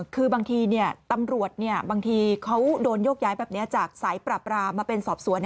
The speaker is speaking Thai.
คือบางทีตำรวจบางทีเขาโดนโยกย้ายแบบนี้จากสายปราบรามมาเป็นสอบสวน